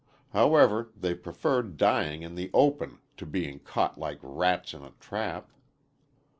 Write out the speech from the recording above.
However, they preferred dying in the open to being caught like rats in a trap.